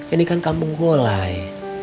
ini kan kampung golai